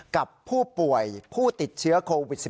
กับผู้ป่วยผู้ติดเชื้อโควิด๑๙